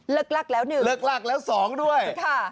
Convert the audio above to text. ลึกหลักแล้วหนึ่งค่ะแล้วสองด้วย